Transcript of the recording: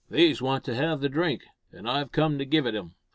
These want to have the drink, an' I've come to give it 'em.